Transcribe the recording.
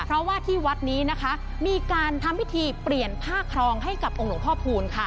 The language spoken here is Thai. เพราะว่าที่วัดนี้นะคะมีการทำพิธีเปลี่ยนผ้าครองให้กับองค์หลวงพ่อพูนค่ะ